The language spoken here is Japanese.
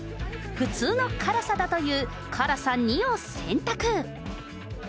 普通の辛さだという、辛さ２を選択。